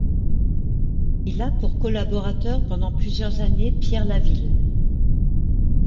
Il a pour collaborateur pendant plusieurs années Pierre Laville.